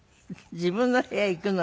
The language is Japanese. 自分の部屋行くのに？